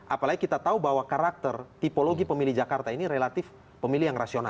apalagi kita tahu bahwa karakter tipologi pemilih jakarta ini relatif pemilih yang rasional